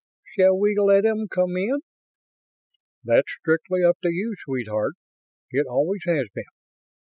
Shall we let 'em come in?" "That's strictly up to you, sweetheart. It always has been."